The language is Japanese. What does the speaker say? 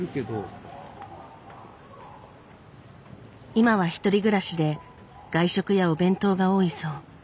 今は１人暮らしで外食やお弁当が多いそう。